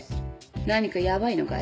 何かヤバいのかい？